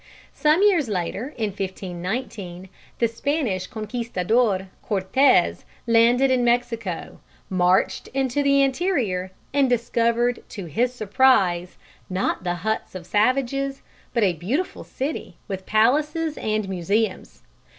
Some years later, in 1519, the Spanish conquistador, Cortes, landed in Mexico, marched into the interior and discovered to his surprise, not the huts of savages, but a beautiful city, with palaces and museums.